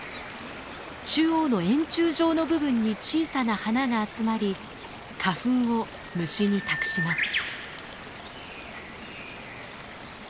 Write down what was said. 中央の円柱状の部分に小さな花が集まり花粉を虫に託します。